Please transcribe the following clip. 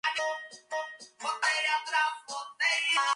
En ambos torneos no logró clasificar a la ronda eliminatoria.